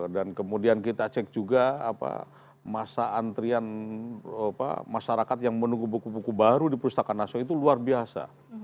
dan kemudian kita cek juga masa antrian masyarakat yang menunggu buku buku baru di perpustakaan nasional itu luar biasa